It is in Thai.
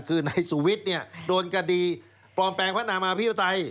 คือนายสุวิทย์โดนคดีปลอมแปลงพระนามาพิปัย